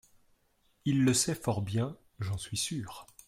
il le sait fort bien, j'en suis sur.